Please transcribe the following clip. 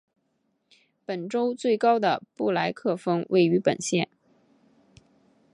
本州最高的布莱克峰位于本县。